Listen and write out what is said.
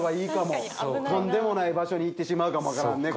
とんでもない場所に行ってしまうかもわからんね。